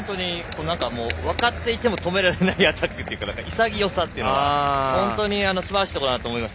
分かっていても止められないアタックといういさぎよさというのが本当にすばらしいと思います。